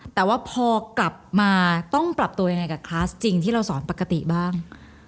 แต่ว่าพอกลับมาต้องปรับตัวยังไงกับคลาสจริงที่เราสอนปกติบ้าง